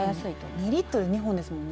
２リットル２本ですもんね。